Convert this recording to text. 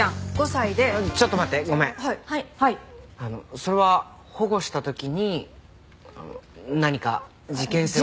それは保護した時に何か事件性を？